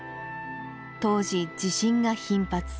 当時地震が頻発。